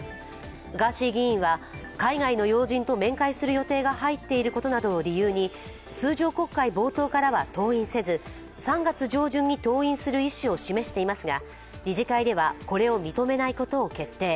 ガーシー議員は海外の要人と面会する予定が入っていることなどを理由に通常国会冒頭からは登院せず３月上旬に登院する意思を示していますが、理事会ではこれを認めないことを決定。